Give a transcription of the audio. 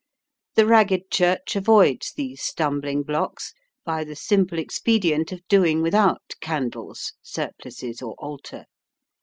The Ragged Church avoids these stumbling blocks by the simple expedient of doing without candles, surplices, or altar.